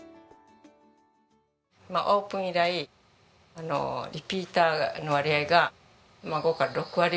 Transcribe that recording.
オープン以来リピーターの割合が５から６割ぐらい。